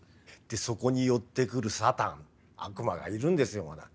でそこに寄ってくるサタン悪魔がいるんですよ。